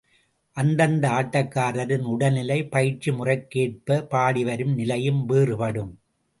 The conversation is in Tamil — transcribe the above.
அந்தந்த ஆட்டக்காரரின் உடல்நிலை, பயிற்சி முறைக்கேற்ப பாடிவரும் நிலையும் வேறுபடும்.